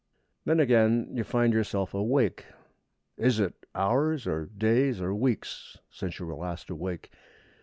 Then again you find yourself awake. Is it hours or days or weeks since you were last awake?